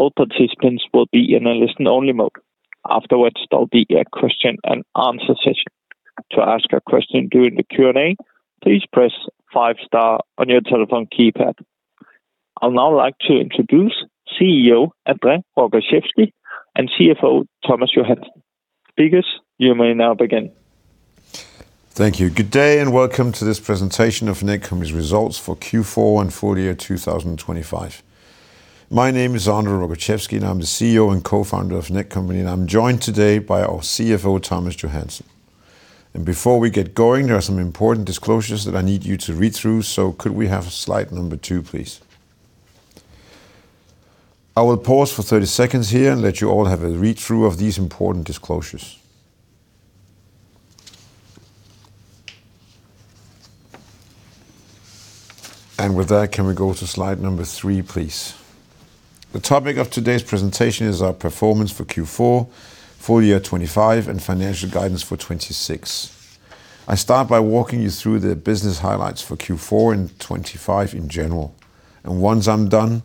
All participants will be in a listen-only mode. Afterwards, there'll be a question-and-answer session. To ask a question during the Q&A, please press five star on your telephone keypad. I'll now like to introduce CEO, André Rogaczewski, and CFO, Thomas Johansen. Speakers, you may now begin. Thank you. Good day, and welcome to this presentation of Netcompany's results for Q4 and Full Year 2025. My name is André Rogaczewski, and I'm the CEO and Co-founder of Netcompany, and I'm joined today by our CFO, Thomas Johansen. Before we get going, there are some important disclosures that I need you to read through, so could we have slide number two, please? I will pause for 30 seconds here and let you all have a read-through of these important disclosures. With that, can we go to slide number three, please? The topic of today's presentation is our performance for Q4, full year 2025, and financial guidance for 2026. I start by walking you through the business highlights for Q4 and 2025 in general, and once I'm done,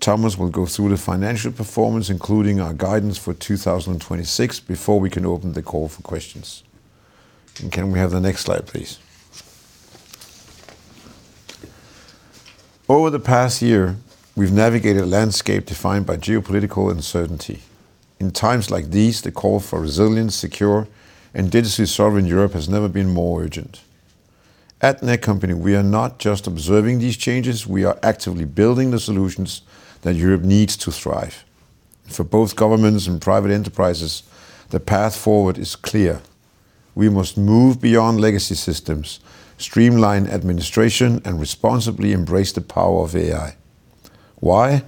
Thomas will go through the financial performance, including our guidance for 2026, before we can open the call for questions. Can we have the next slide, please? Over the past year, we've navigated a landscape defined by geopolitical uncertainty. In times like these, the call for resilient, secure, and digitally sovereign Europe has never been more urgent. At Netcompany, we are not just observing these changes; we are actively building the solutions that Europe needs to thrive. For both governments and private enterprises, the path forward is clear: We must move beyond legacy systems, streamline administration, and responsibly embrace the power of AI. Why?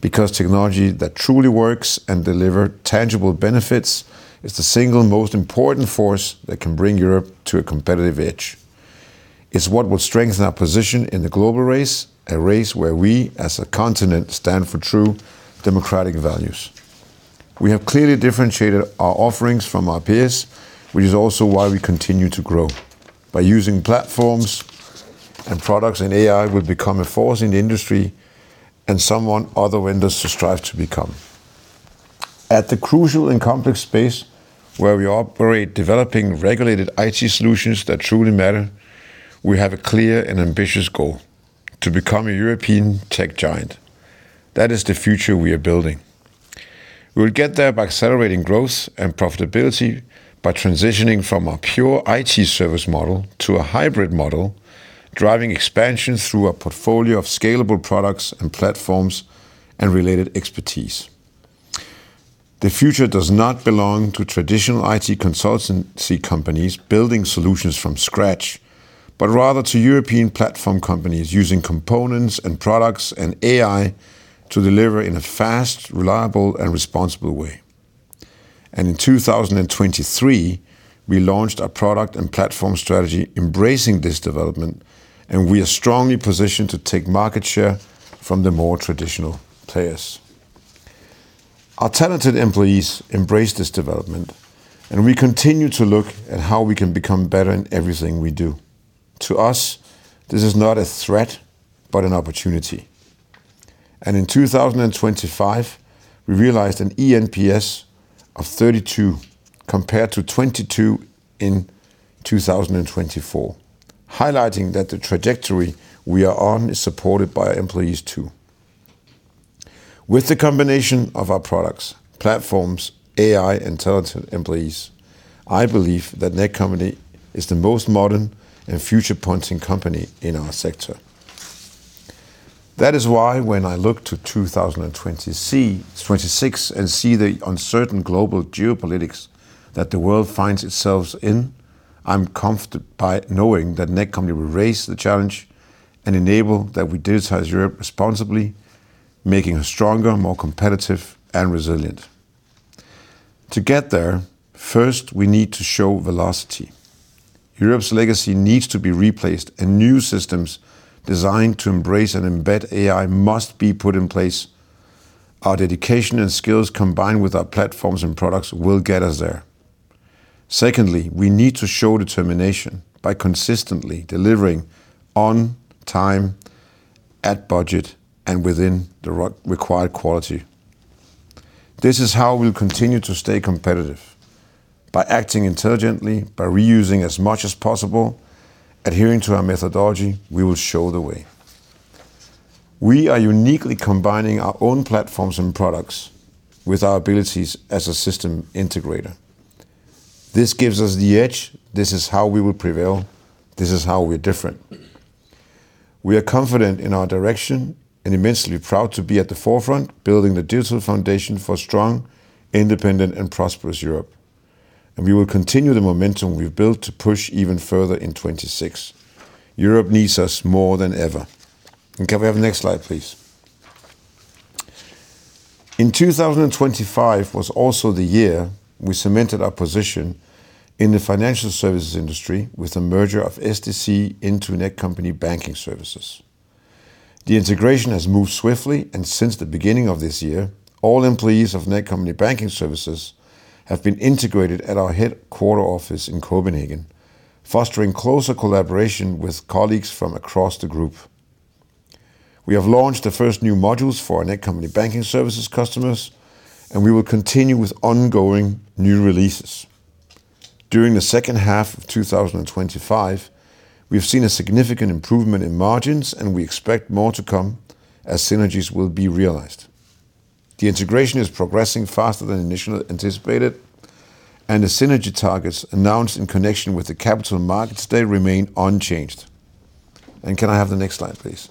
Because technology that truly works and delivers tangible benefits is the single most important force that can bring Europe to a competitive edge. It's what will strengthen our position in the global race, a race where we, as a continent, stand for true democratic values. We have clearly differentiated our offerings from our peers, which is also why we continue to grow. By using platforms and products in AI, we've become a force in the industry and someone other vendors to strive to become. At the crucial and complex space where we operate, developing regulated IT solutions that truly matter, we have a clear and ambitious goal: to become a European tech giant. That is the future we are building. We'll get there by accelerating growth and profitability, by transitioning from a pure IT service model to a hybrid model, driving expansion through our portfolio of scalable products and platforms and related expertise. The future does not belong to traditional IT consultancy companies building solutions from scratch, but rather to European platform companies using components and products and AI to deliver in a fast, reliable and responsible way. And in 2023, we launched our product and platform strategy embracing this development, and we are strongly positioned to take market share from the more traditional players. Our talented employees embrace this development, and we continue to look at how we can become better in everything we do. To us, this is not a threat, but an opportunity. And in 2025, we realized an eNPS of 32, compared to 22 in 2024, highlighting that the trajectory we are on is supported by our employees, too. With the combination of our products, platforms, AI, and talented employees, I believe that Netcompany is the most modern and future-pointing company in our sector. That is why when I look to 2023, 2026 and see the uncertain global geopolitics that the world finds itself in, I'm comforted by knowing that Netcompany will raise the challenge and enable that we digitize Europe responsibly, making us stronger, more competitive and resilient. To get there, first, we need to show velocity. Europe's legacy needs to be replaced, and new systems designed to embrace and embed AI must be put in place. Our dedication and skills, combined with our platforms and products, will get us there. Secondly, we need to show determination by consistently delivering on time, at budget, and within the required quality. This is how we'll continue to stay competitive, by acting intelligently, by reusing as much as possible. Adhering to our methodology, we will show the way. We are uniquely combining our own platforms and products with our abilities as a system integrator. This gives us the edge. This is how we will prevail. This is how we're different. We are confident in our direction and immensely proud to be at the forefront, building the digital foundation for a strong, independent and prosperous Europe, and we will continue the momentum we've built to push even further in 2026. Europe needs us more than ever. And can we have the next slide, please? In 2025 was also the year we cemented our position in the financial services industry with the merger of SDC into Netcompany Banking Services. The integration has moved swiftly, and since the beginning of this year, all employees of Netcompany Banking Services have been integrated at our headquarters office in Copenhagen, fostering closer collaboration with colleagues from across the group. We have launched the first new modules for our Netcompany Banking Services customers, and we will continue with ongoing new releases. During the second half of 2025, we've seen a significant improvement in margins, and we expect more to come as synergies will be realized. The integration is progressing faster than initially anticipated, and the synergy targets announced in connection with the capital markets, they remain unchanged. And can I have the next slide, please?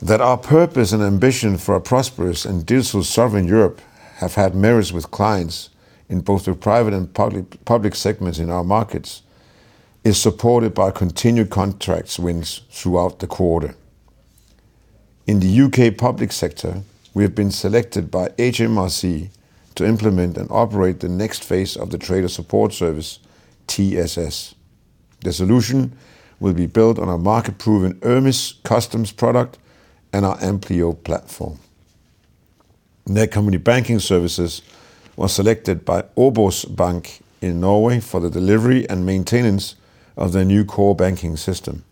That our purpose and ambition for a prosperous and digital sovereign Europe have had merits with clients in both the private and public, public segments in our markets, is supported by continued contracts wins throughout the quarter. In the UK public sector, we have been selected by HMRC to implement and operate the next phase of the Trader Support Service, TSS. The solution will be built on our market-proven ERMES customs product and our Amplify platform. Netcompany Banking Services was selected by OBOS Bank in Norway for the delivery and maintenance of their new core banking system.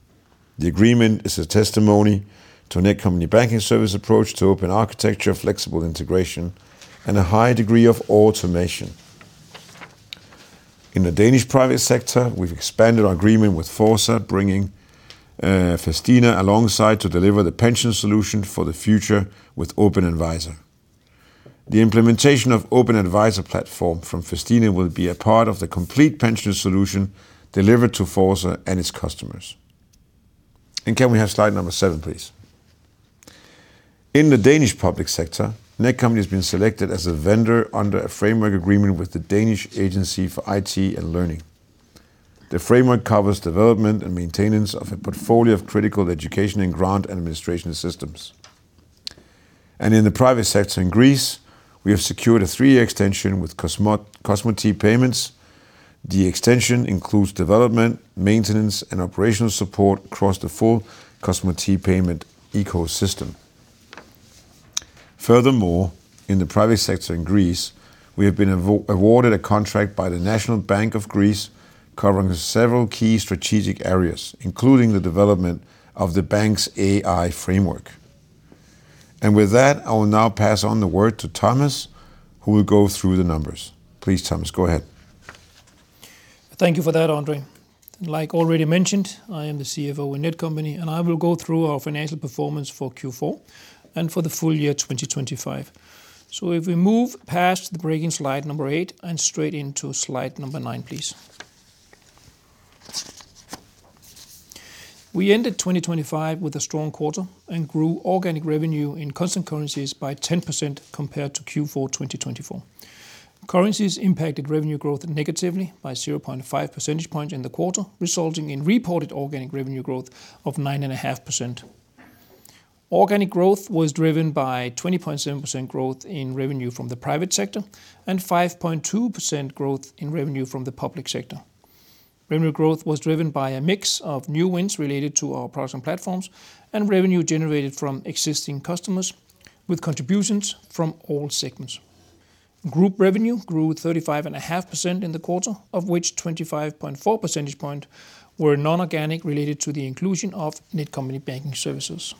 The agreement is a testimony to Netcompany Banking Services approach to open architecture, flexible integration, and a high degree of automation. In the Danish private sector, we've expanded our agreement with Forca, bringing Festina alongside to deliver the pension solution for the future with OpenAdvisor. The implementation of OpenAdvisor platform from Festina will be a part of the complete pension solution delivered to Forca and its customers. And can we have slide number seven, please? In the Danish public sector, Netcompany has been selected as a vendor under a framework agreement with the Danish Agency for IT and Learning. The framework covers development and maintenance of a portfolio of critical education and grant administration systems. And in the private sector in Greece, we have secured a three-year extension with Cosmote, Cosmote Payments. The extension includes development, maintenance, and operational support across the full Cosmote Payment ecosystem. Furthermore, in the private sector in Greece, we have been awarded a contract by the National Bank of Greece, covering several key strategic areas, including the development of the bank's AI framework. With that, I will now pass on the word to Thomas, who will go through the numbers. Please, Thomas, go ahead. Thank you for that, André. Like already mentioned, I am the CFO in Netcompany, and I will go through our financial performance for Q4 and for the full year 2025. So if we move past the break slide number eight and straight into slide number nine, please. We ended 2025 with a strong quarter and grew organic revenue in constant currencies by 10% compared to Q4 2024. Currencies impacted revenue growth negatively by 0.5 percentage point in the quarter, resulting in reported organic revenue growth of 9.5%. Organic growth was driven by 20.7% growth in revenue from the private sector and 5.2% growth in revenue from the public sector. Revenue growth was driven by a mix of new wins related to our products and platforms, and revenue generated from existing customers with contributions from all segments. Group revenue grew 35.5% in the quarter, of which 25.4 percentage points were non-organic, related to the inclusion of Netcompany Banking Services.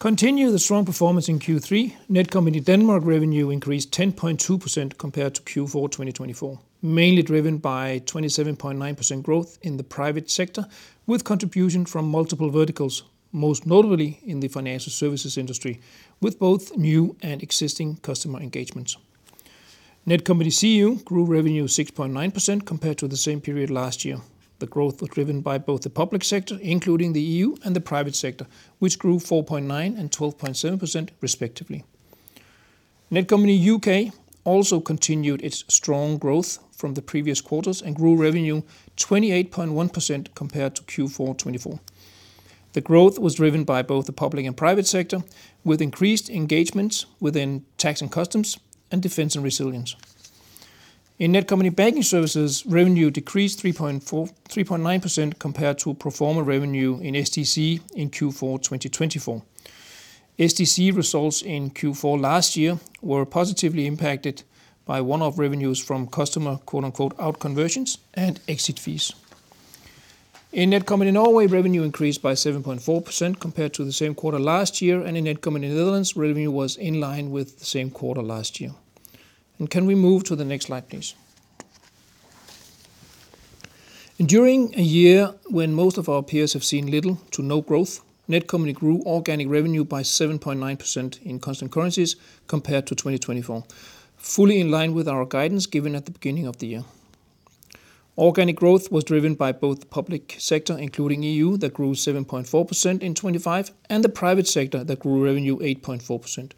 Continuing the strong performance in Q3, Netcompany Denmark revenue increased 10.2% compared to Q4 2024, mainly driven by 27.9% growth in the private sector, with contribution from multiple verticals, most notably in the financial services industry, with both new and existing customer engagements. Netcompany-Intrasoft grew revenue 6.9% compared to the same period last year. The growth was driven by both the public sector, including the EU, and the private sector, which grew 4.9% and 12.7%, respectively. Netcompany UK also continued its strong growth from the previous quarters and grew revenue 28.1% compared to Q4 2024. The growth was driven by both the public and private sector, with increased engagements within tax and customs, and defense and resilience. In Netcompany Banking Services, revenue decreased 3.4–3.9% compared to pro forma revenue in SDC in Q4 2024. SDC results in Q4 last year were positively impacted by one-off revenues from customer, quote-unquote, "out conversions and exit fees." In Netcompany Norway, revenue increased by 7.4% compared to the same quarter last year, and in Netcompany Netherlands, revenue was in line with the same quarter last year. And can we move to the next slide, please? And during a year when most of our peers have seen little to no growth, Netcompany grew organic revenue by 7.9% in constant currencies compared to 2024, fully in line with our guidance given at the beginning of the year. Organic growth was driven by both the public sector, including EU, that grew 7.4% in 2025, and the private sector that grew revenue 8.4%.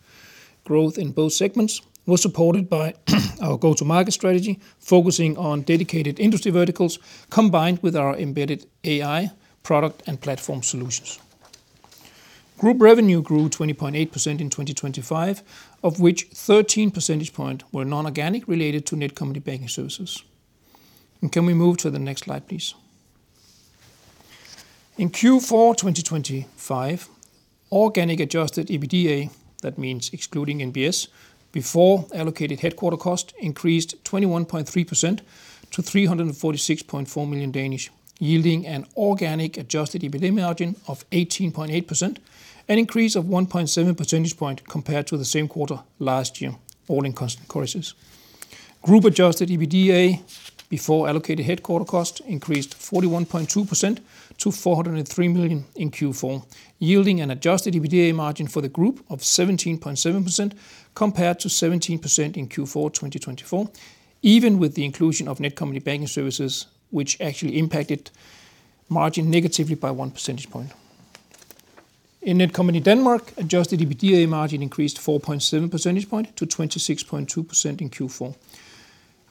Growth in both segments was supported by our go-to-market strategy, focusing on dedicated industry verticals, combined with our embedded AI product and platform solutions. Group revenue grew 20.8% in 2025, of which 13 percentage point were non-organic, related to Netcompany Banking Services. And can we move to the next slide, please? In Q4 2025, organic adjusted EBITDA, that means excluding NBS, before allocated headquarter cost, increased 21.3% to 346.4 million, yielding an organic adjusted EBITDA margin of 18.8%, an increase of 1.7 percentage point compared to the same quarter last year, all in constant currencies. Group adjusted EBITDA before allocated headquarter cost increased 41.2% to 403 million in Q4, yielding an adjusted EBITDA margin for the group of 17.7% compared to 17% in Q4 2024, even with the inclusion of Netcompany Banking Services, which actually impacted margin negatively by one percentage point. In Netcompany Denmark, adjusted EBITDA margin increased 4.7 percentage points to 26.2% in Q4.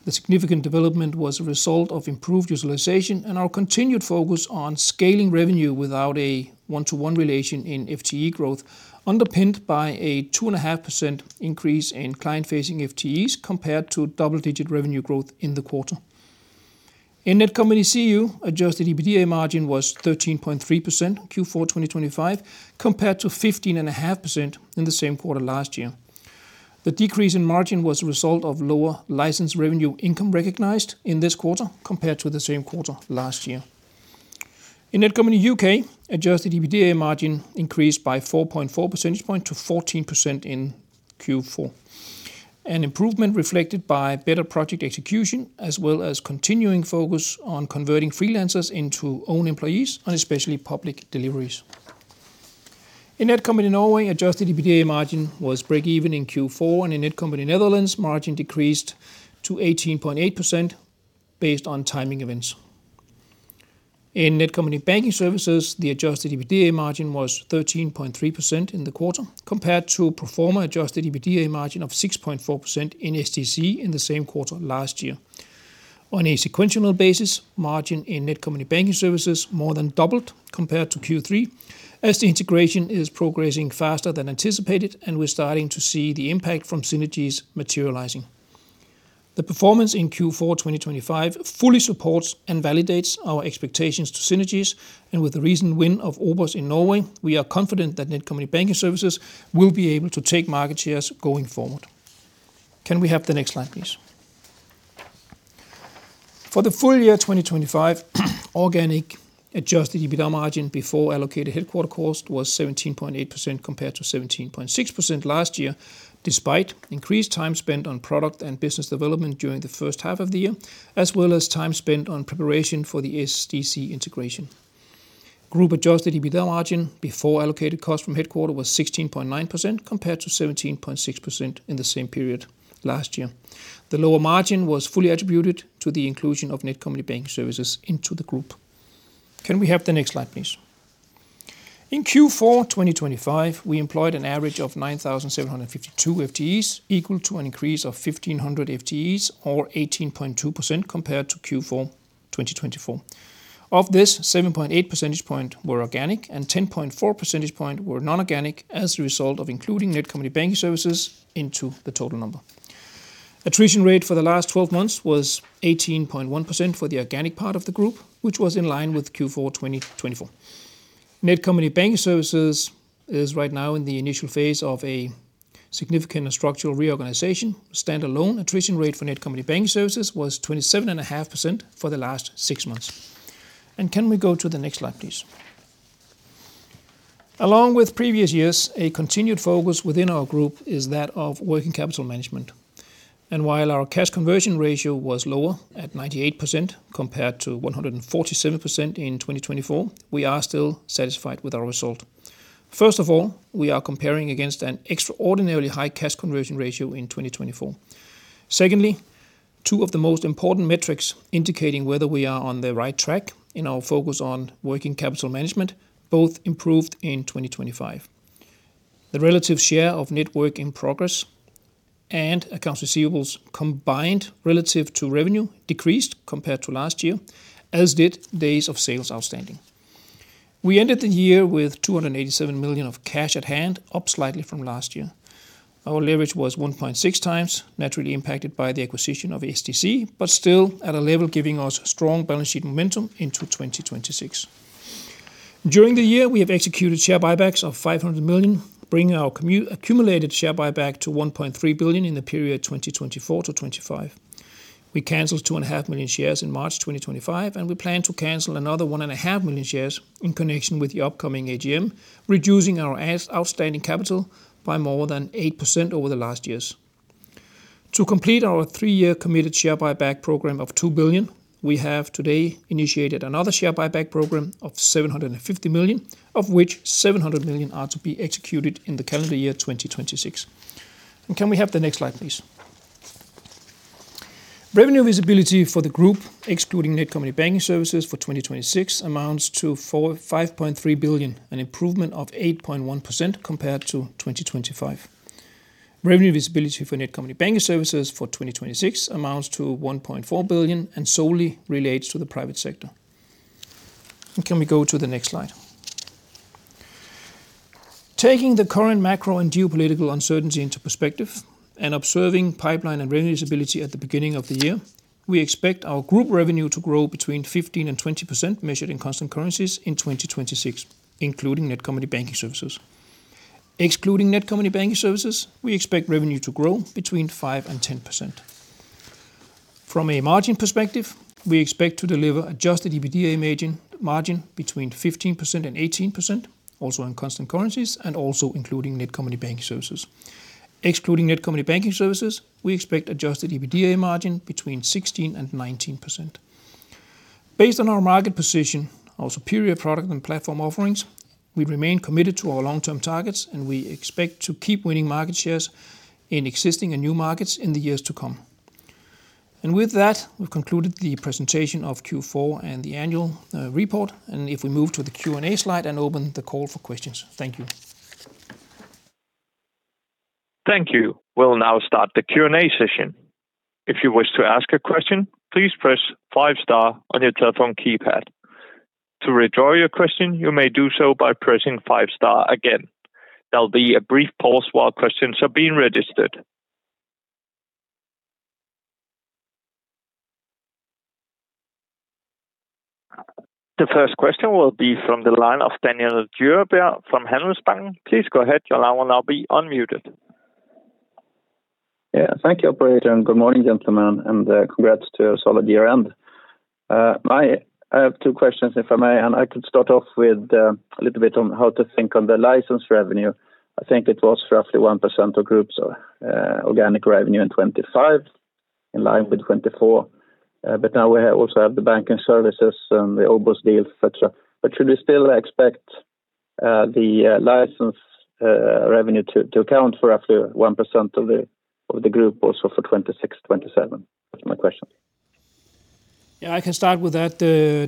The significant development was a result of improved utilization and our continued focus on scaling revenue without a one-to-one relation in FTE growth, underpinned by a 2.5% increase in client-facing FTEs compared to double-digit revenue growth in the quarter. In Netcompany-Intrasoft, adjusted EBITDA margin was 13.3% Q4 2025, compared to 15.5% in the same quarter last year. The decrease in margin was a result of lower licensed revenue income recognized in this quarter compared to the same quarter last year. In Netcompany UK, adjusted EBITDA margin increased by 4.4 percentage point to 14% in Q4, an improvement reflected by better project execution, as well as continuing focus on converting freelancers into own employees, and especially public deliveries. In Netcompany Norway, adjusted EBITDA margin was break even in Q4, and in Netcompany Netherlands, margin decreased to 18.8% based on timing events. In Netcompany Banking Services, the adjusted EBITDA margin was 13.3% in the quarter, compared to pro forma adjusted EBITDA margin of 6.4% in SDC in the same quarter last year. On a sequential basis, margin in Netcompany Banking Services more than doubled compared to Q3, as the integration is progressing faster than anticipated, and we're starting to see the impact from synergies materializing. The performance in Q4 2025 fully supports and validates our expectations to synergies, and with the recent win of OBOS in Norway, we are confident that Netcompany Banking Services will be able to take market shares going forward. Can we have the next slide, please? For the full year 2025, organic adjusted EBITDA margin before allocated headquarter cost was 17.8%, compared to 17.6% last year, despite increased time spent on product and business development during the first half of the year, as well as time spent on preparation for the SDC integration. Group adjusted EBITDA margin before allocated cost from headquarter was 16.9%, compared to 17.6% in the same period last year. The lower margin was fully attributed to the inclusion of Netcompany Banking Services into the group. Can we have the next slide, please? In Q4 2025, we employed an average of 9,752 FTEs, equal to an increase of 1,500 FTEs, or 18.2% compared to Q4 2024. Of this, 7.8 percentage points were organic and 10.4 percentage points were non-organic as a result of including Netcompany Banking Services into the total number. Attrition rate for the last twelve months was 18.1% for the organic part of the group, which was in line with Q4 2024. Netcompany Banking Services is right now in the initial phase of a significant structural reorganization. Standalone attrition rate for Netcompany Banking Services was 27.5% for the last six months. And can we go to the next slide, please? Along with previous years, a continued focus within our group is that of working capital management. And while our cash conversion ratio was lower at 98% compared to 147% in 2024, we are still satisfied with our result. First of all, we are comparing against an extraordinarily high cash conversion ratio in 2024. Secondly, two of the most important metrics indicating whether we are on the right track in our focus on working capital management both improved in 2025. The relative share of net work in progress and accounts receivables combined relative to revenue decreased compared to last year, as did days of sales outstanding. We ended the year with 287 million of cash at hand, up slightly from last year. Our leverage was 1.6 times, naturally impacted by the acquisition of SDC, but still at a level giving us strong balance sheet momentum into 2026. During the year, we have executed share buybacks of 500 million, bringing our accumulated share buyback to 1.3 billion in the period 2024 to 2025. We canceled 2.5 million shares in March 2025, and we plan to cancel another 1.5 million shares in connection with the upcoming AGM, reducing our outstanding capital by more than 8% over the last years. To complete our three-year committed share buyback program of 2 billion, we have today initiated another share buyback program of 750 million, of which 700 million are to be executed in the calendar year 2026. And can we have the next slide, please? Revenue visibility for the group, excluding Netcompany Banking Services for 2026, amounts to 4.5 billion, an improvement of 8.1% compared to 2025. Revenue visibility for Netcompany Banking Services for 2026 amounts to 1.4 billion and solely relates to the private sector. And can we go to the next slide? Taking the current macro and geopolitical uncertainty into perspective, and observing pipeline and revenue stability at the beginning of the year, we expect our group revenue to grow between 15% and 20%, measured in constant currencies in 2026, including Netcompany Banking Services. Excluding Netcompany Banking Services, we expect revenue to grow between 5% and 10%. From a margin perspective, we expect to deliver adjusted EBITDA margin, margin between 15% and 18%, also in constant currencies, and also including Netcompany Banking Services. Excluding Netcompany Banking Services, we expect adjusted EBITDA margin between 16% and 19%. Based on our market position, our superior product and platform offerings, we remain committed to our long-term targets, and we expect to keep winning market shares in existing and new markets in the years to come. With that, we've concluded the presentation of Q4 and the annual report. If we move to the Q&A slide and open the call for questions. Thank you. Thank you. We'll now start the Q&A session. If you wish to ask a question, please press five star on your telephone keypad. To withdraw your question, you may do so by pressing five star again. There'll be a brief pause while questions are being registered. The first question will be from the line of Daniel Djurberg from Handelsbanken. Please go ahead, your line will now be unmuted. Yeah, thank you, operator, and good morning, gentlemen, and congrats to a solid year end. I have two questions, if I may, and I could start off with a little bit on how to think on the license revenue. I think it was roughly 1% of group's organic revenue in 2025, in line with 2024. But now we have, also have the banking services and the OBOS deal, et cetera. But should we still expect the license revenue to account for up to 1% of the group also for 2026, 2027? That's my question. Yeah, I can start with that,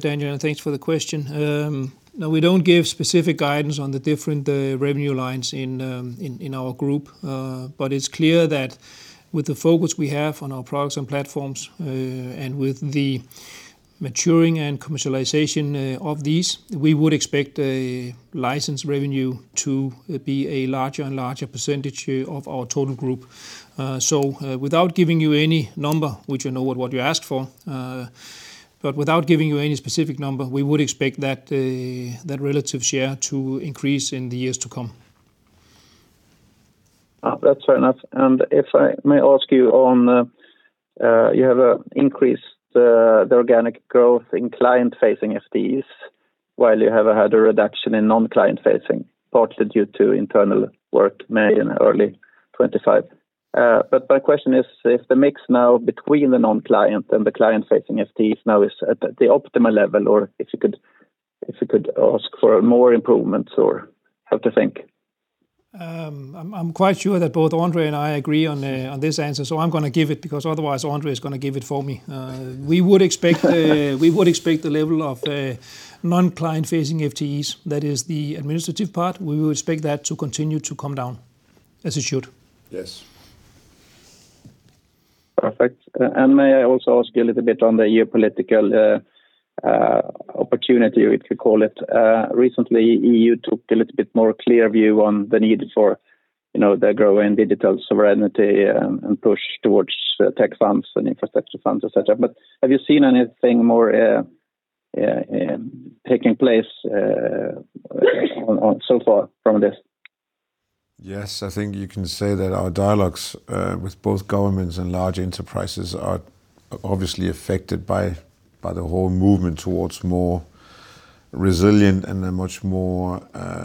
Daniel, and thanks for the question. Now, we don't give specific guidance on the different revenue lines in our group. But it's clear that with the focus we have on our products and platforms, and with the maturing and commercialization of these, we would expect license revenue to be a larger and larger percentage of our total group. So, without giving you any number, which I know what you asked for, but without giving you any specific number, we would expect that relative share to increase in the years to come. That's fair enough. And if I may ask you on the, you have increased the organic growth in client-facing FTEs, while you have had a reduction in non-client facing, partly due to internal work made in early 2025. But my question is, if the mix now between the non-client and the client-facing FTEs now is at the optimal level, or if you could, if you could ask for more improvements or how to think? I'm quite sure that both André and I agree on this answer, so I'm gonna give it, because otherwise André is gonna give it for me. We would expect the level of non-client facing FTEs, that is the administrative part, to continue to come down, as it should. Yes. Perfect. May I also ask you a little bit on the geopolitical opportunity, if you call it. Recently, EU took a little bit more clear view on the need for, you know, the growing digital sovereignty and push towards tech funds and infrastructure funds, et cetera. Have you seen anything more taking place on so far from this? Yes, I think you can say that our dialogues with both governments and large enterprises are obviously affected by the whole movement towards more resilient and a much more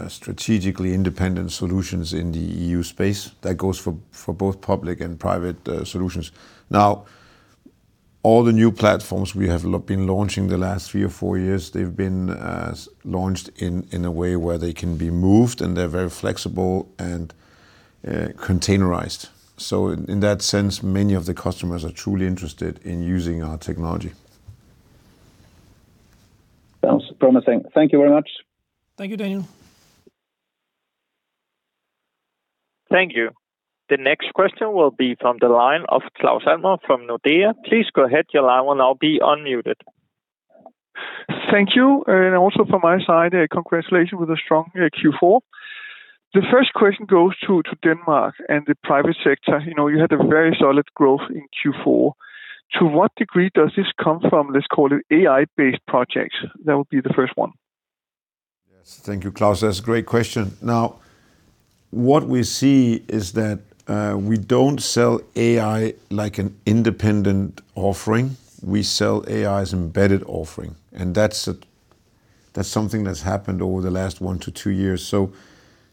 strategically independent solutions in the EU space. That goes for both public and private solutions. Now, all the new platforms we have been launching the last three or four years, they've been launched in a way where they can be moved, and they're very flexible and containerized. So in that sense, many of the customers are truly interested in using our technology. Sounds promising. Thank you very much. Thank you, Daniel. Thank you. The next question will be from the line of Claus Almer from Nordea. Please go ahead, your line will now be unmuted. Thank you. Also from my side, congratulations with a strong Q4. The first question goes to Denmark and the private sector. You know, you had a very solid growth in Q4. To what degree does this come from, let's call it, AI-based projects? That would be the first one. Yes, thank you, Claus. That's a great question. Now, what we see is that, we don't sell AI like an independent offering. We sell AI as embedded offering, and that's a, that's something that's happened over the last 1-2 years. So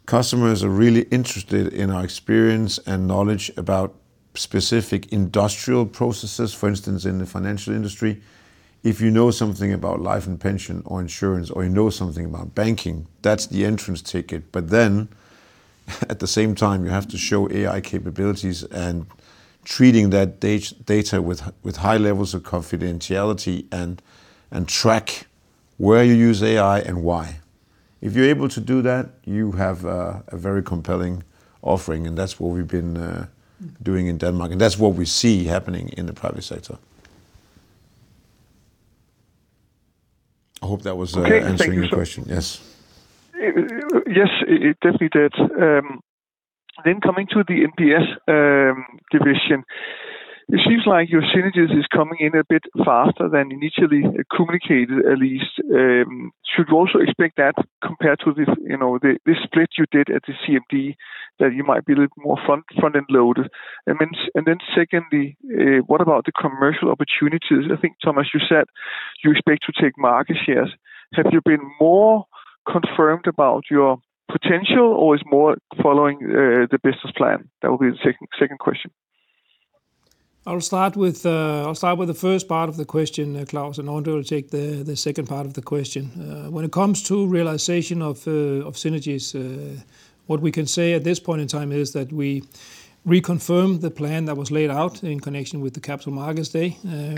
customers are really interested in our experience and knowledge about specific industrial processes, for instance, in the financial industry. If you know something about life and pension or insurance, or you know something about banking, that's the entrance ticket. But then, at the same time, you have to show AI capabilities and treating that data with, with high levels of confidentiality and, and track where you use AI and why. If you're able to do that, you have a, a very compelling offering, and that's what we've been doing in Denmark, and that's what we see happening in the private sector. I hope that was answering your question. Okay, thank you, sir. Yes. Yes, it definitely did. Then coming to the NPS division, it seems like your synergies is coming in a bit faster than initially communicated, at least. Should we also expect that compared to this, you know, this split you did at the CMD, that you might be a little more front-end loaded? And then secondly, what about the commercial opportunities? I think, Thomas, you said you expect to take market shares. Have you been more confirmed about your potential, or is more following the business plan? That will be the second question. I'll start with the first part of the question, Claus, and André will take the second part of the question. When it comes to realization of synergies, what we can say at this point in time is that we reconfirm the plan that was laid out in connection with the capital markets day,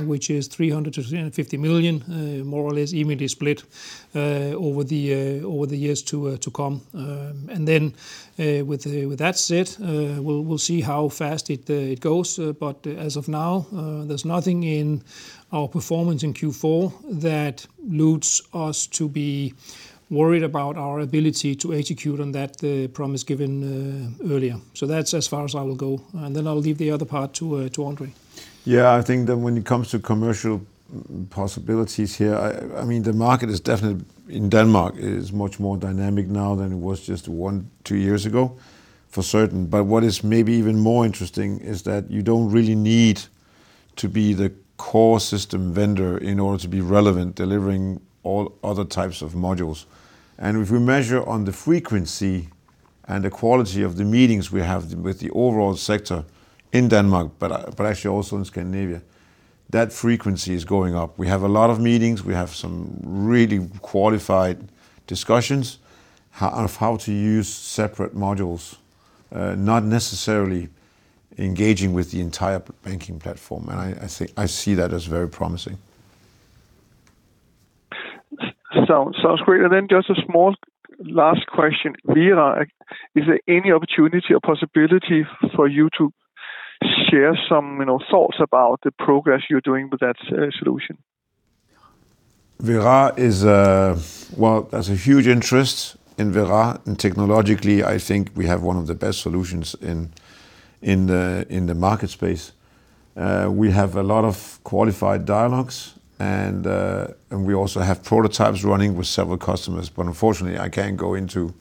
which is 300 million-350 million, more or less evenly split, over the years to come. And then, with that said, we'll see how fast it goes. But as of now, there's nothing in our performance in Q4 that leads us to be worried about our ability to execute on that promise given earlier. So that's as far as I will go, and then I'll leave the other part to André. Yeah, I think that when it comes to commercial possibilities here, I mean, the market is definitely in Denmark much more dynamic now than it was just one, two years ago, for certain. But what is maybe even more interesting is that you don't really need to be the core system vendor in order to be relevant, delivering all other types of modules. And if we measure on the frequency and the quality of the meetings we have with the overall sector in Denmark, but actually also in Scandinavia, that frequency is going up. We have a lot of meetings. We have some really qualified discussions of how to use separate modules, not necessarily engaging with the entire banking platform, and I see that as very promising. Sounds, sounds great. And then just a small last question. Vera, is there any opportunity or possibility for you to share some, you know, thoughts about the progress you're doing with that solution? Vera is. Well, there's a huge interest in Vera, and technologically, I think we have one of the best solutions in the market space. We have a lot of qualified dialogues, and we also have prototypes running with several customers, but unfortunately, I can't go into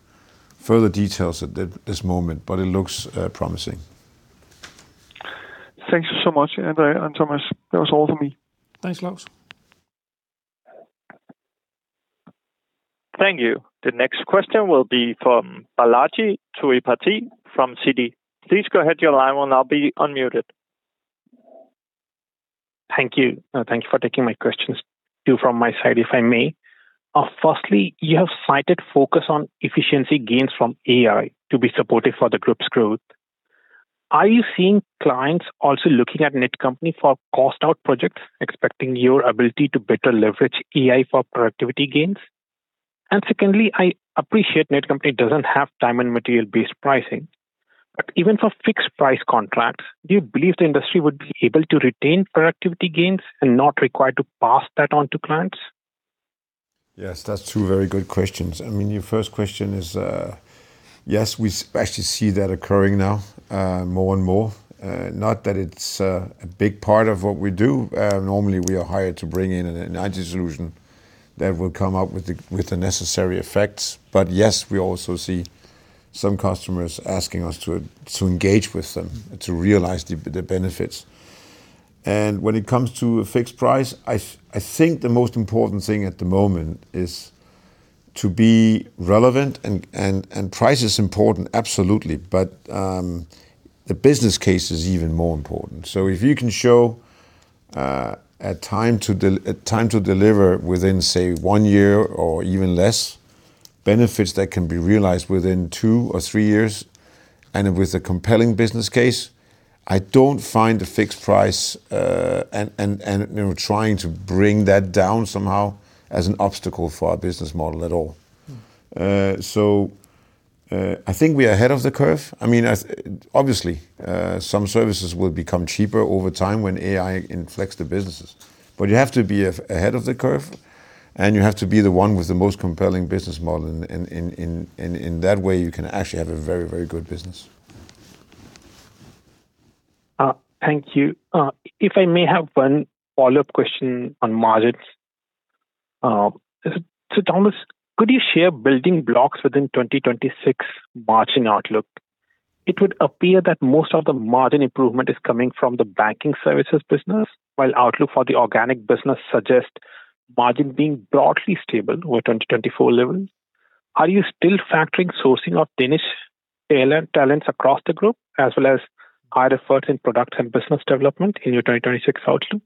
further details at this moment, but it looks promising. Thank you so much, André and Thomas. That was all for me. Thanks, Claus. Thank you. The next question will be from Balaji Thiruvengadam from Citi. Please go ahead. Your line will now be unmuted. Thank you. Thank you for taking my questions. Two from my side, if I may. Firstly, you have cited focus on efficiency gains from AI to be supportive for the group's growth. Are you seeing clients also looking at Netcompany for cost-out projects, expecting your ability to better leverage AI for productivity gains? And secondly, I appreciate Netcompany doesn't have time and material-based pricing, but even for fixed-price contracts, do you believe the industry would be able to retain productivity gains and not required to pass that on to clients? Yes, that's two very good questions. I mean, your first question is, yes, we actually see that occurring now, more and more. Not that it's a big part of what we do. Normally, we are hired to bring in an IT solution that will come up with the, with the necessary effects. But yes, we also see some customers asking us to, to engage with them to realize the, the benefits. And when it comes to a fixed price, I, I think the most important thing at the moment is to be relevant, and, and, and price is important, absolutely, but, the business case is even more important. So if you can show a time to deliver within, say, one year or even less, benefits that can be realized within two or three years, and with a compelling business case, I don't find a fixed price and, you know, trying to bring that down somehow as an obstacle for our business model at all. So I think we are ahead of the curve. I mean, obviously, some services will become cheaper over time when AI inflects the businesses, but you have to be ahead of the curve, and you have to be the one with the most compelling business model in that way, you can actually have a very, very good business. Thank you. If I may have one follow-up question on margins. So Thomas, could you share building blocks within 2026 margin outlook? It would appear that most of the margin improvement is coming from the banking services business, while outlook for the organic business suggest margin being broadly stable over 2024 levels. Are you still factoring sourcing of Danish talent, talents across the group, as well as higher efforts in product and business development in your 2026 outlook?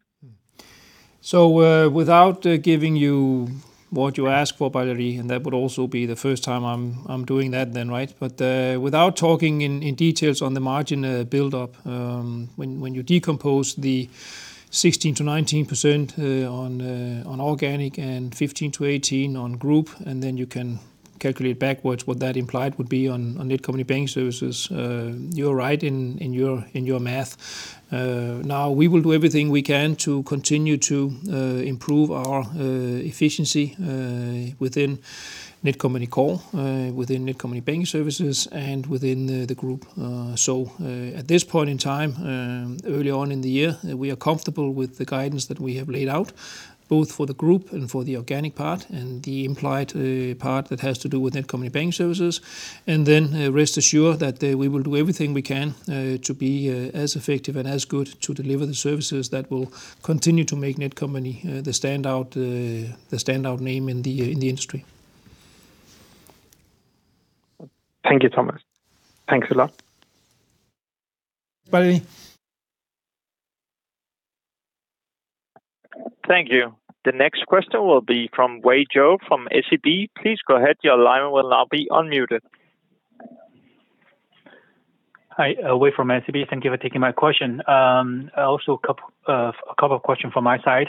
So, without giving you what you ask for, Valerie, and that would also be the first time I'm doing that then, right? But, without talking in details on the margin build-up, when you decompose the 16%-19% on organic and 15%-18% on group, and then you can calculate backwards what that implied would be on Netcompany Banking Services. You're right in your math. Now, we will do everything we can to continue to improve our efficiency within Netcompany core, within Netcompany Banking Services and within the group. So, at this point in time, early on in the year, we are comfortable with the guidance that we have laid out, both for the group and for the organic part, and the implied part that has to do with Netcompany Banking Services. Rest assured that we will do everything we can to be as effective and as good to deliver the services that will continue to make Netcompany the standout, the standout name in the industry. Thank you, Thomas. Thanks a lot. Bye. Thank you. The next question will be from Wei Zhou from SEB. Please go ahead. Your line will now be unmuted. Hi, Wei from SEB. Thank you for taking my question. Also a couple of questions from my side.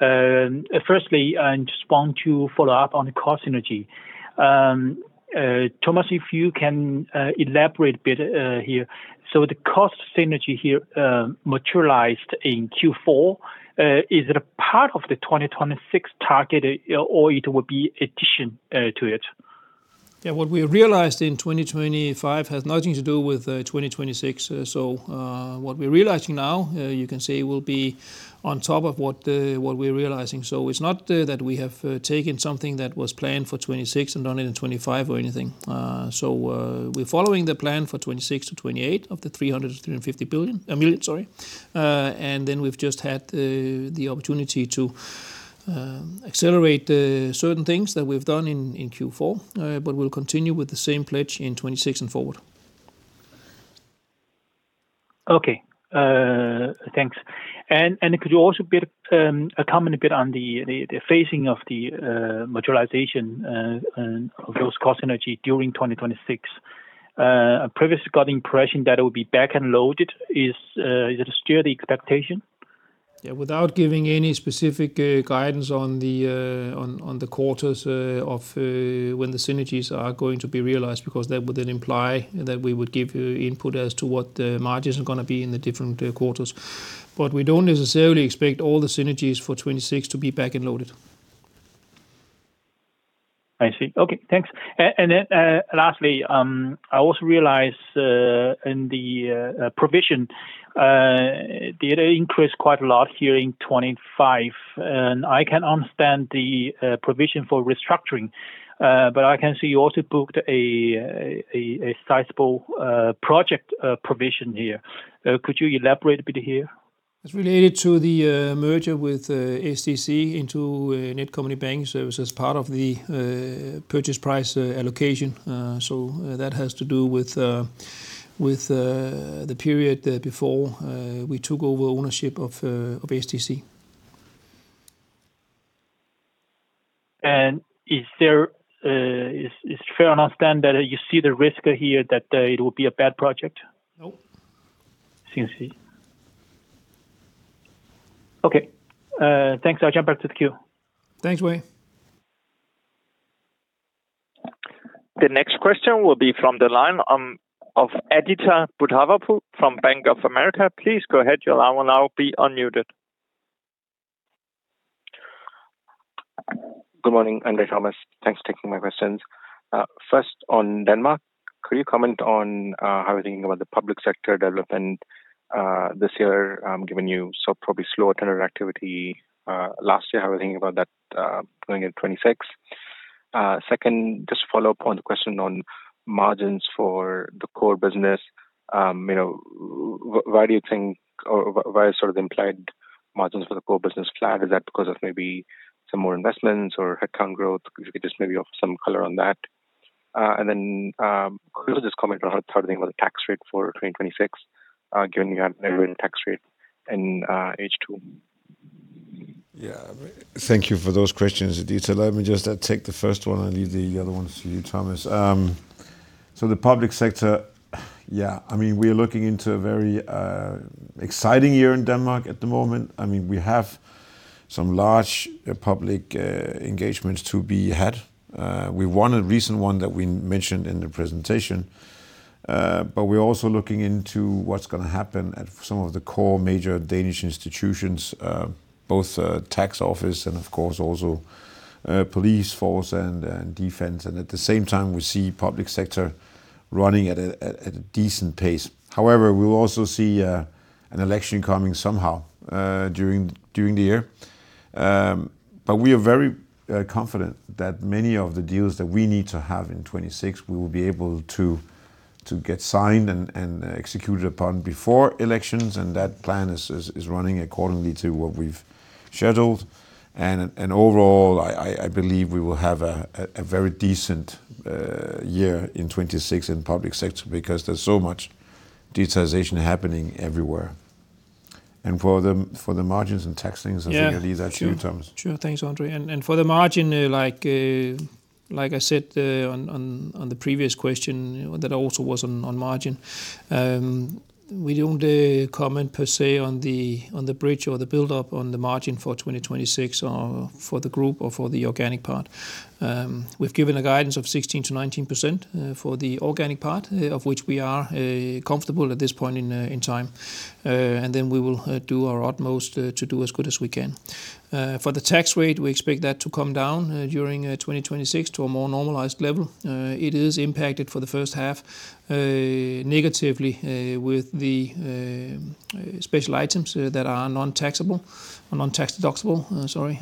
Firstly, I just want to follow up on the cost synergy. Thomas, if you can elaborate a bit here. So the cost synergy here materialized in Q4, is it a part of the 2026 target, or it will be addition to it? Yeah, what we realized in 2025 has nothing to do with 2026. So, what we're realizing now, you can say will be on top of what, what we're realizing. So it's not that we have taken something that was planned for 2026 and done it in 2025 or anything. So, we're following the plan for 2026-2028 of the 300-350 billion, million, sorry. And then we've just had the opportunity to accelerate certain things that we've done in Q4. But we'll continue with the same pledge in 2026 and forward. Okay. Thanks. And could you also build a comment a bit on the phasing of the materialization and of those cost synergies during 2026? Previously got the impression that it would be back-end loaded. Is it still the expectation? Yeah, without giving any specific guidance on the quarters of when the synergies are going to be realized, because that would then imply that we would give you input as to what the margins are gonna be in the different quarters. But we don't necessarily expect all the synergies for 2026 to be back and loaded. I see. Okay, thanks. And then, lastly, I also realize, in the provision, did increase quite a lot here in 25, and I can understand the provision for restructuring, but I can see you also booked a sizable project provision here. Could you elaborate a bit here? It's related to the merger with SDC into Netcompany Banking Services, part of the purchase price allocation. So that has to do with the period before we took over ownership of SDC. Is it fair to understand that you see the risk here, that it will be a bad project? No. Okay, thanks. I'll jump back to the queue. Thanks, Wei. The next question will be from the line of Aditya Bhardwaj from Bank of America. Please go ahead. Your line will now be unmuted. Good morning, André, Thomas. Thanks for taking my questions. First, on Denmark, could you comment on how we're thinking about the public sector development this year, given you so probably slower tender activity last year, how we're thinking about that going in 2026? Second, just a follow-up on the question on margins for the core business. You know, why do you think, or why is sort of the implied margins for the core business flat? Is that because of maybe some more investments or headcount growth? Could you just maybe offer some color on that? And then, could you just comment on how you're thinking about the tax rate for 2026, given the current tax rate in H2? Yeah. Thank you for those questions, Aditya. Let me just take the first one, and leave the other ones to you, Thomas. So the public sector, yeah, I mean, we're looking into a very exciting year in Denmark at the moment. I mean, we have some large public engagements to be had. We won a recent one that we mentioned in the presentation, but we're also looking into what's gonna happen at some of the core major Danish institutions, both tax office and of course, also police force and defense. And at the same time, we see public sector running at a decent pace. However, we will also see an election coming somehow during the year. But we are very confident that many of the deals that we need to have in 2026, we will be able to get signed and executed upon before elections, and that plan is running accordingly to what we've scheduled. And overall, I believe we will have a very decent year in 2026 in public sector because there's so much digitization happening everywhere. And for the margins and tax things. I think I'll leave that to you, Thomas. Sure. Thanks, André. And for the margin, like, like I said, on the previous question, you know, that also was on margin. We don't comment per se on the bridge or the buildup on the margin for 2026 or for the group or for the organic part. We've given a guidance of 16%-19% for the organic part, of which we are comfortable at this point in time. And then we will do our utmost to do as good as we can. For the tax rate, we expect that to come down during 2026 to a more normalized level. It is impacted for the first half, negatively, with the special items that are non-taxable or non-tax deductible, sorry.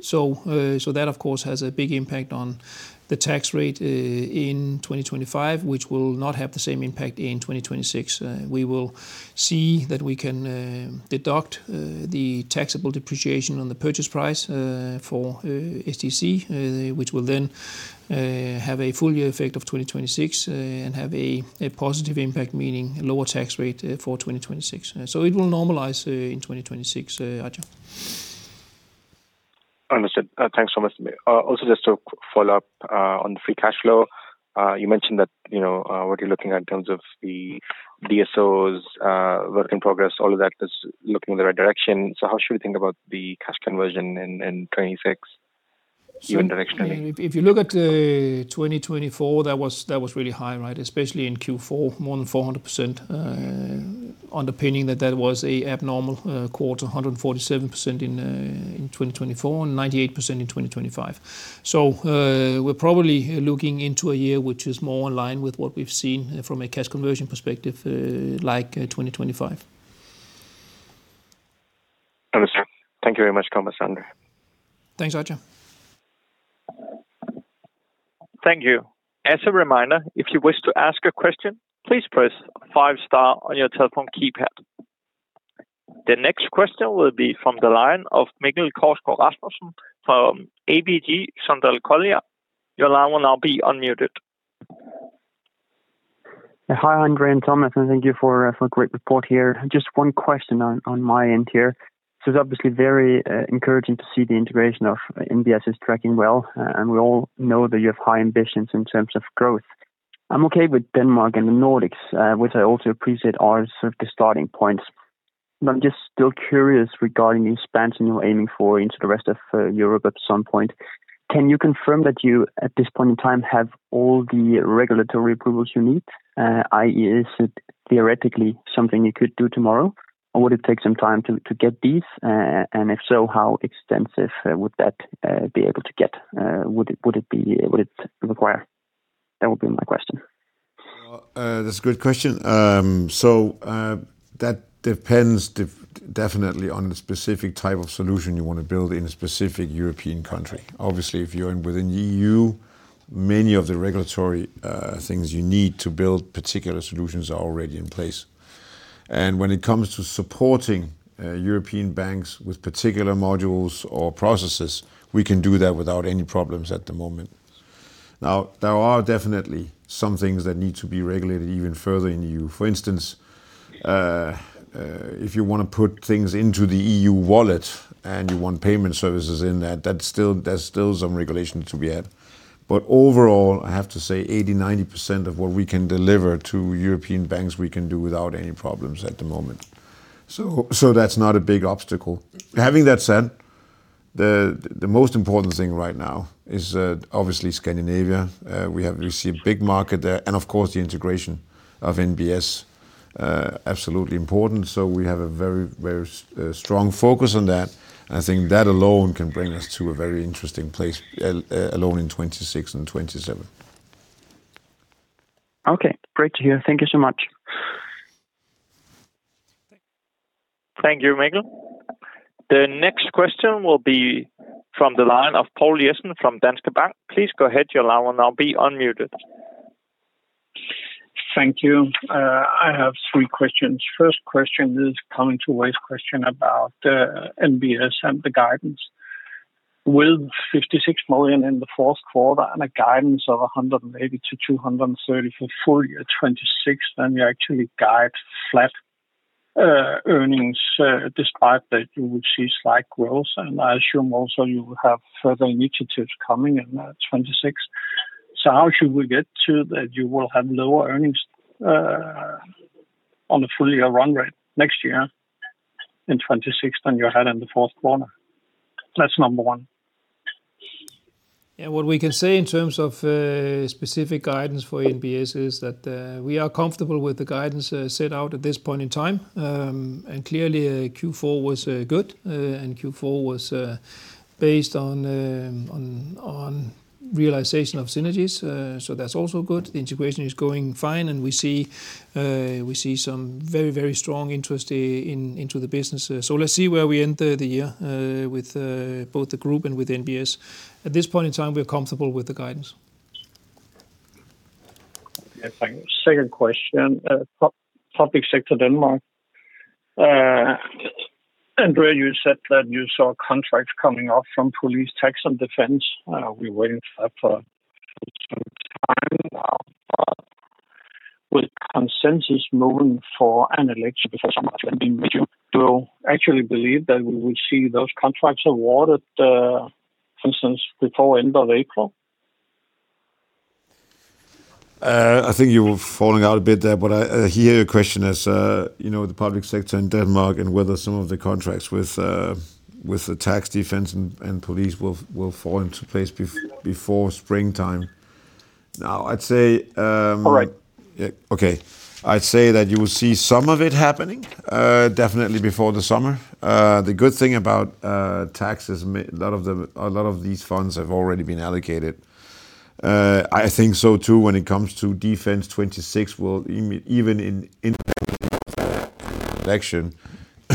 So, so that, of course, has a big impact on the tax rate, in 2025, which will not have the same impact in 2026. We will see that we can deduct the taxable depreciation on the purchase price, for SDC, which will then have a full year effect of 2026, and have a positive impact, meaning lower tax rate, for 2026. So it will normalize, in 2026, Aditya. Understood. Thanks so much. Also, just to follow up on the free cash flow. You mentioned that, you know, what you're looking at in terms of the DSOs, work in progress, all of that is looking in the right direction. So how should we think about the cash conversion in 2026 directionally? If you look at 2024, that was really high, right? Especially in Q4, more than 400%, underpinning that that was an abnormal quarter, 147% in 2024, and 98% in 2025. So, we're probably looking into a year which is more in line with what we've seen from a cash conversion perspective, like 2025. Understood. Thank you very much, Thomas and André. Thanks, Aditya. Thank you. As a reminder, if you wish to ask a question, please press five star on your telephone keypad. The next question will be from the line of Mikkel Kousgaard Rasmussen from ABG Sundal Collier. Your line will now be unmuted. Hi, André and Thomas, and thank you for a great report here. Just one question on my end here. So it's obviously very encouraging to see the integration of NBS is tracking well, and we all know that you have high ambitions in terms of growth. I'm okay with Denmark and the Nordics, which I also appreciate are sort of the starting points, but I'm just still curious regarding the expansion you're aiming for into the rest of Europe at some point. Can you confirm that you, at this point in time, have all the regulatory approvals you need? i.e., is it theoretically something you could do tomorrow, or would it take some time to get these? And if so, how extensive would that be able to get? Would it, would it be, would it require? That would be my question. Well, that's a good question. So, that depends definitely on the specific type of solution you want to build in a specific European country. Obviously, if you're within EU, many of the regulatory things you need to build particular solutions are already in place. And when it comes to supporting European banks with particular modules or processes, we can do that without any problems at the moment. Now, there are definitely some things that need to be regulated even further in the EU. For instance, if you want to put things into the EU wallet and you want payment services in that, that's still, there's still some regulation to be had. But overall, I have to say 80%-90% of what we can deliver to European banks, we can do without any problems at the moment. So that's not a big obstacle. Having that said, the most important thing right now is obviously Scandinavia. We see a big market there, and of course, the integration of NBS absolutely important. So we have a very, very strong focus on that, and I think that alone can bring us to a very interesting place, alone in 2026 and 2027. Okay. Great to hear. Thank you so much. Thank you, Mikkel. The next question will be from the line of Poul Jessen from Danske Bank. Please go ahead. Your line will now be unmuted. Thank you. I have three questions. First question is coming to raise question about NBS and the guidance. With 56 million in the fourth quarter and a guidance of 180 million-230 million for full year 2026, then you actually guide flat earnings despite that you will see slight growth. And I assume also you will have further initiatives coming in 2026. So how should we get to that you will have lower earnings on the full year run rate next year in 2026 than you had in the fourth quarter? That's number one. Yeah, what we can say in terms of specific guidance for NBS is that we are comfortable with the guidance set out at this point in time. And clearly Q4 was good, and Q4 was based on realization of synergies, so that's also good. The integration is going fine, and we see some very very strong interest into the business. So let's see where we end the year with both the group and with NBS. At this point in time, we're comfortable with the guidance. Yeah, thank you. Second question. Public sector Denmark. André, you said that you saw contracts coming up from police, tax, and defense. We're waiting for that for some time now. But with consensus moving for an election, do you actually believe that we will see those contracts awarded, for instance, before end of April? I think you were falling out a bit there, but I hear your question as, you know, the public sector in Denmark and whether some of the contracts with the tax, defense, and police will fall into place before springtime. Now, I'd say, All right. Yeah. Okay. I'd say that you will see some of it happening definitely before the summer. The good thing about tax is a lot of the, a lot of these funds have already been allocated. I think so, too, when it comes to defense, 2026 will, even in election,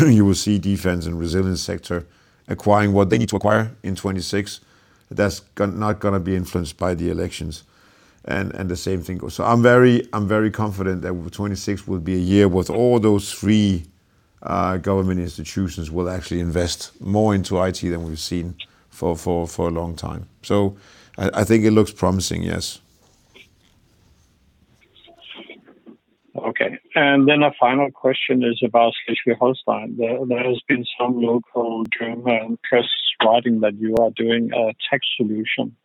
you will see defense and resilience sector acquiring what they need to acquire in 2026. That's not gonna be influenced by the elections, and the same thing goes. So I'm very confident that 2026 will be a year with all those three government institutions will actually invest more into IT than we've seen for a long time. So I think it looks promising, yes. Okay. And then a final question is about Schleswig-Holstein. There, there has been some local German press writing that you are doing a tax solution,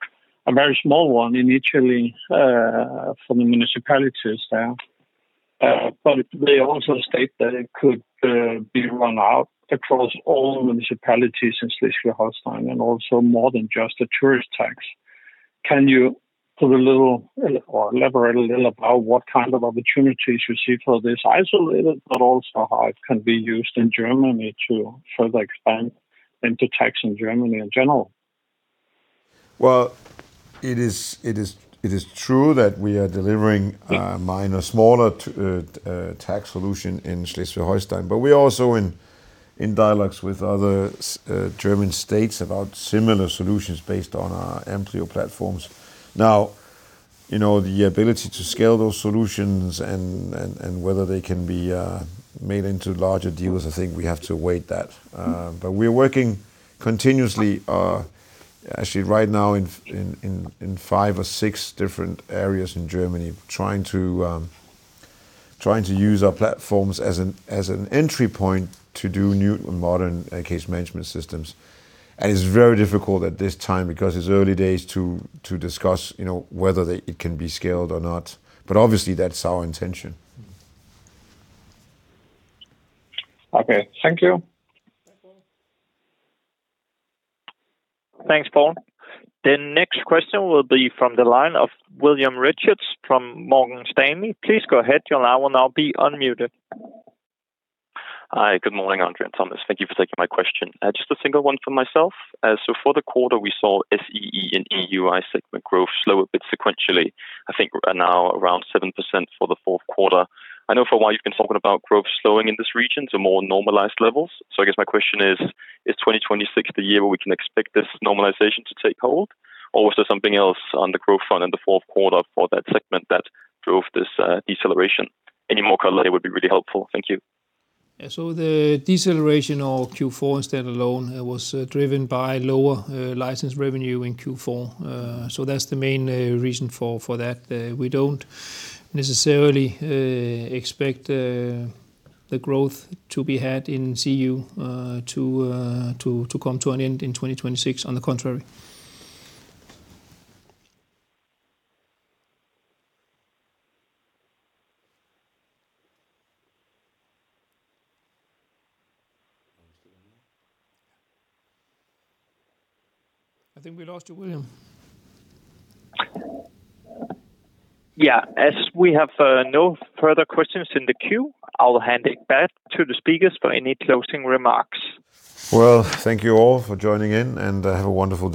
a very small one initially, for the municipalities there. But they also state that it could be run out across all municipalities in Schleswig-Holstein and also more than just a tourist tax. Can you put a little or elaborate a little about what kind of opportunities you see for this isolated, but also how it can be used in Germany to further expand into tax in Germany in general? Well, it is true that we are delivering minor, smaller tax solution in Schleswig-Holstein, but we are also in dialogues with other German states about similar solutions based on our Amplify platforms. Now, you know, the ability to scale those solutions and whether they can be made into larger deals, I think we have to await that. But we're working continuously, actually right now, in five or six different areas in Germany, trying to use our platforms as an entry point to do new and modern case management systems. And it's very difficult at this time because it's early days to discuss, you know, whether it can be scaled or not. But obviously, that's our intention. Okay. Thank you. Thanks, Poul. The next question will be from the line of William Richards from Morgan Stanley. Please go ahead, your line will now be unmuted. Hi. Good morning, André and Thomas. Thank you for taking my question. Just a single one from myself. So for the quarter, we saw SEE and EUI segment growth slow a bit sequentially, I think now around 7% for the fourth quarter. I know for a while you've been talking about growth slowing in this region to more normalized levels. So I guess my question is, is 2026 the year where we can expect this normalization to take hold, or was there something else on the growth front in the fourth quarter for that segment that drove this deceleration? Any more color, it would be really helpful. Thank you. Yeah. So the deceleration of Q4 stand alone was driven by lower license revenue in Q4. So that's the main reason for that. We don't necessarily expect the growth to be had in SEE to come to an end in 2026. On the contrary. I think we lost you, William. Yeah. As we have no further questions in the queue, I'll hand it back to the speakers for any closing remarks. Well, thank you all for joining in, and have a wonderful day.